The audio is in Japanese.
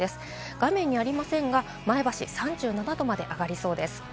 画面にありませんが、前橋３７度まで上がりそうです。